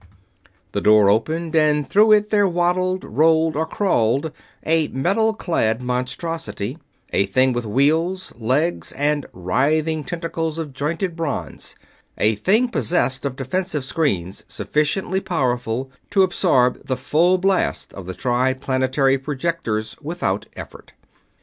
The door opened, and through it there waddled, rolled, or crawled a metal clad monstrosity a thing with wheels, legs and writhing tentacles of jointed bronze; a thing possessed of defensive screens sufficiently powerful to absorb the full blast of the Triplanetary projectors without effort.